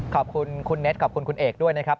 ขอบคุณคุณเน็ตขอบคุณคุณเอกด้วยนะครับ